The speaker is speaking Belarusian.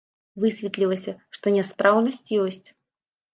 Высветлілася, што няспраўнасць ёсць.